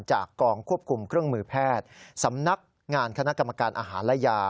จากกองควบคุมเครื่องมือแพทย์สำนักงานคณะกรรมการอาหารและยา